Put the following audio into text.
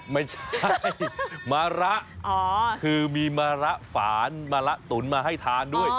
ไม่ใช่มาละอ๋อคือมีมาละฝานมาละตุ๋นมาให้ทานด้วยอ๋อ